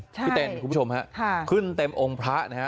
ใช่คุณผู้ชมฮะค่ะขึ้นเต็มองค์พระนะฮะ